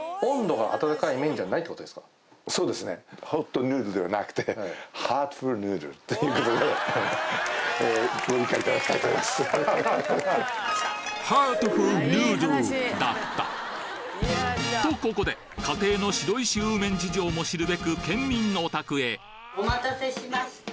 そうですね。とここで家庭の白石温麺事情も知るべく県民のお宅へお待たせしました。